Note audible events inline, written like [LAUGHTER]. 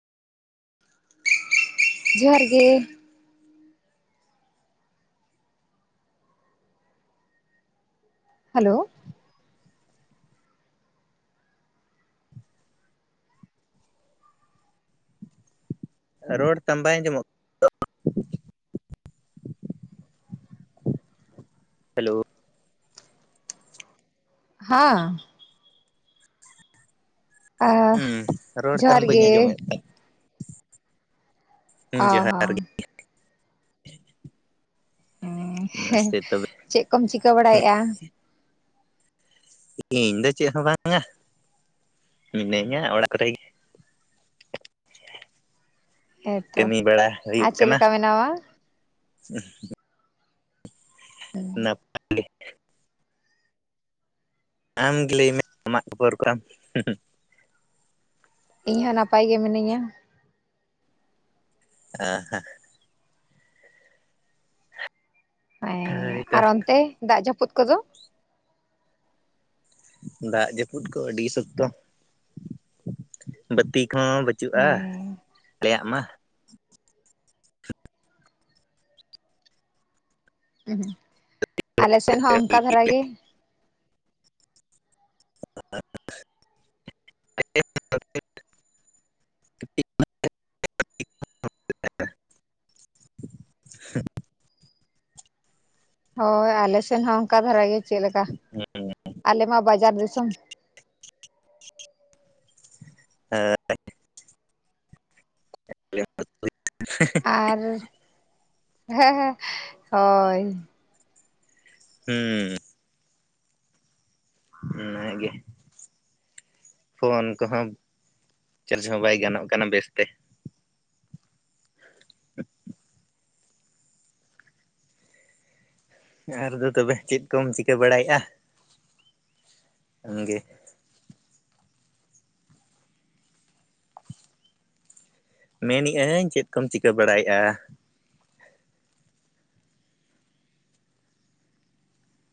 ᱡᱚᱦᱟᱨ ᱜᱮ᱾ ᱦᱮᱞᱳ᱾ [INAUDIBLE] ᱨᱚᱲ ᱛᱟᱢ ᱵᱟᱭ ᱟᱸᱡᱚᱢᱚᱜ ᱦᱮᱞᱳ᱾ ᱦᱟᱸ᱾ ᱦᱩᱸᱢ ᱨᱚᱲ ᱛᱟᱢ ᱡᱚᱦᱟᱨ ᱵᱟᱹᱧ ᱜᱮ ᱟᱸᱡᱚᱢᱮᱫ ᱛᱟᱢ᱾ ᱦᱩᱸ ᱚ ᱦᱚᱦᱟᱨ ᱦᱚᱸ ᱜᱮ᱾ ᱩ ᱦᱮ ᱢᱟᱥᱮ ᱛᱚᱵᱮ ᱪᱮᱫ ᱠᱚᱢ ᱪᱤᱠᱟᱹ ᱵᱟᱲᱟᱭᱮᱫᱼᱟ? ᱤᱧ ᱫᱚ ᱪᱮᱫ ᱦᱚᱸ ᱵᱟᱝᱟ᱾ ᱢᱤᱱᱟᱹᱧᱟ ᱚᱲᱟᱜ ᱠᱚᱨᱮ ᱜᱮ᱾ ᱦᱮᱸᱛᱚ ᱠᱟᱹᱢᱤ ᱵᱟᱲᱟ ᱦᱩᱭᱩᱜ ᱟᱨ ᱠᱟᱱᱟ ᱪᱮᱫᱞᱮᱠᱟ ᱢᱮᱱᱟᱢᱟ? [INAUDIBLE] ᱱᱟᱯ ᱟᱢ ᱜᱮ ᱞᱟᱹᱭ ᱢᱮ ᱟᱢᱟᱜ ᱠᱷᱚᱵᱚᱨ ᱠᱚ ᱟᱢ᱾ ᱤᱧ ᱦᱚᱸ ᱱᱟᱯᱟᱭ ᱜᱮ ᱢᱤᱱᱟᱹᱧᱟ᱾ ᱟ ᱦᱮᱸ᱾ ᱦᱮᱸ ᱦᱳᱭᱛᱚ ᱟᱨ ᱚᱱᱛᱮ ᱫᱟᱜ ᱡᱟᱹᱯᱩᱫ ᱠᱚᱫᱚ? ᱫᱟᱜ ᱡᱟᱹᱯᱩᱫ ᱠᱚ ᱟᱹᱰᱤ ᱥᱚᱠᱛᱚ᱾ ᱵᱟᱹᱛᱤ ᱠᱚᱦᱚᱸ ᱵᱟᱹᱪᱩᱜᱼᱟ ᱦᱮᱸ ᱟᱞᱮᱭᱟᱜ ᱢᱟ᱾ ᱦᱩᱸ ᱦᱩᱸ ᱟᱞᱮᱥᱮᱫ ᱦᱚᱸ ᱚᱱᱠᱟ ᱫᱷᱟᱨᱟ ᱜᱮ᱾ [INAUDIBLE] [INAUDIBLE] ᱦᱳᱭ ᱟᱞᱮᱥᱮᱫ ᱦᱚᱸ ᱚᱱᱠᱟ ᱫᱷᱟᱨᱟ ᱜᱮ ᱪᱮᱫᱞᱮᱠᱟ᱾ ᱦᱩᱸ ᱟᱞᱮᱢᱟ ᱵᱟᱡᱟᱨ ᱫᱤᱥᱚᱢ᱾ ᱦᱮᱸ᱾ ᱟᱨ ᱦᱮᱸ ᱦᱮᱸ ᱦᱳᱭ᱾ ᱦᱩᱸᱢ᱾ ᱢᱮᱱᱟᱭ ᱜᱮ᱾ ᱯᱷᱳᱱ ᱠᱚᱦᱚᱸ ᱪᱟᱨᱡᱽ ᱦᱚᱸ ᱵᱟᱭ ᱜᱟᱱᱚᱜ ᱠᱟᱱᱟ ᱵᱮᱥᱛᱮ᱾ ᱟᱨᱨᱫᱚ ᱛᱚᱵᱮ ᱪᱮᱫ ᱠᱚᱢ ᱪᱤᱠᱟᱹ ᱵᱟᱲᱟᱭᱮᱫ-ᱟ ᱟᱢᱜᱮ? ᱢᱮᱱᱤ-ᱟᱹᱧ ᱪᱮᱫ ᱠᱚᱢ ᱪᱤᱠᱟᱹ ᱵᱟᱲᱟᱭᱮᱫ-ᱟ?